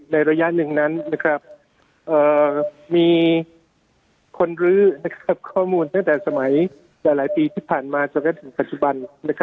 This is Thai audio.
ในระยะหนึ่งนั้นมีคนลื้อข้อมูลตั้งแต่สมัยจากหลายปีที่ผ่านมาจากครัฐบัน